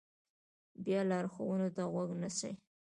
بیا لارښوونو ته غوږ نیسي.